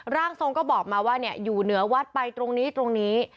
ร่างทรงก็บอกมาว่าอยู่เหนือวัดไปตรงนี้ตรงนี้